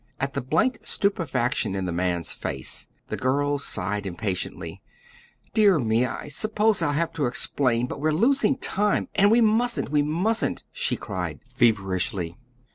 At the blank stupefaction in the man's face, the girl sighed impatiently. "Dear me! I suppose I'll have to explain; but we're losing time and we mustn't we mustn't!" she cried feverishly.